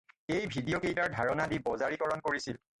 এই ভিডিঅ'কেইটাৰ ধাৰণা দি বজাৰীকৰণ কৰিছিল।